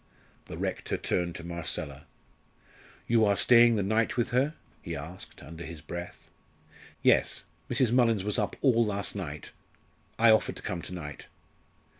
The rector turned to Marcella. "You are staying the night with her?" he asked, under his breath. "Yes. Mrs. Mullins was up all last night. I offered to come to night."